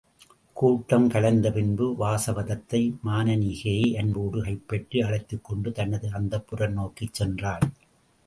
கூட்டம் கலைந்த பின்பு வாசவதத்தை, மானனீகையை அன்போடு கைப்பற்றி அழைத்துக்கொண்டு தனது அந்தப்புரம் நோக்கிச் சென்றாள்.